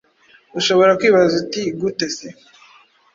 Ushobora kwibaza uti gute se